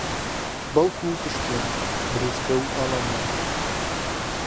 بهڵکوو بشکێن برووسکه و ئامانیان